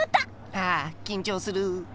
ああきんちょうする。